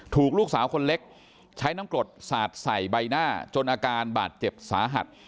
ถูกลูกสาวคนเล็กใช้น้ำกรดสาดใส่ใบหน้าจนอาการบาดเจ็บสาหัส